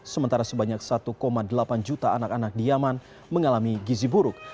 sementara sebanyak satu delapan juta anak anak di yaman mengalami gizi buruk